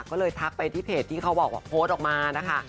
ก็เลยทักไปที่เพจที่เขาบอกว่าโพสต์ออกมานะคะ